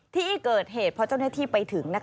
ที่เกิดเหตุพอเจ้าหน้าที่ไปถึง